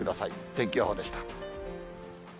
天気予報でした。